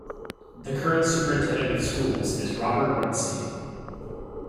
The current Superintendent of schools is Robert Runcie.